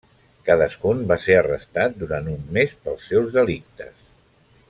Cadascun va ser arrestat durant un mes pels seus delictes.